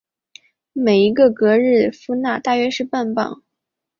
每一个格日夫纳大约是半磅。